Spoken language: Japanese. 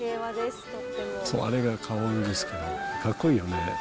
そう、あれがカワウですけど、かっこいいよね。